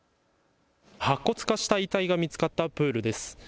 白骨化した遺体が見つかったプールです。